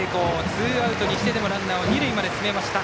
ツーアウトにしてでもランナーを二塁まで進めました。